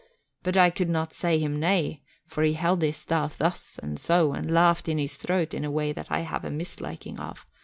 But I could not then say him nay, for he held his staff thus and so and laughed in his throat in a way that I have a misliking of.